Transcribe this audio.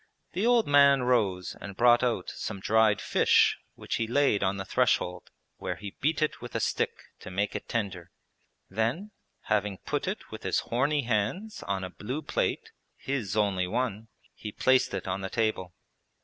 The old man rose and brought out some dried fish which he laid on the threshold, where he beat it with a stick to make it tender; then, having put it with his horny hands on a blue plate (his only one), he placed it on the table.